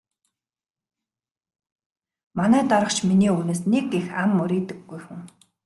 Манай дарга ч миний үгнээс нэг их ам мурийдаггүй хүн.